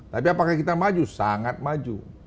tapi apakah kita maju sangat maju